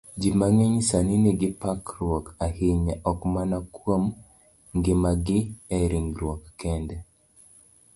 Ji mang'eny sani nigi parruok ahinya, ok mana kuom ngimagi e ringruok kende,